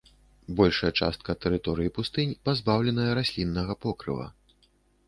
Большая частка тэрыторыі пустынь пазбаўленая расліннага покрыва.